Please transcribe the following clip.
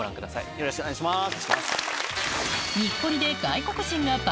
よろしくお願いします。